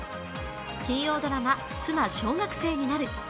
金曜ドラマ「妻、小学生になる。」